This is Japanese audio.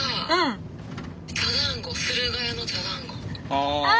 ああ！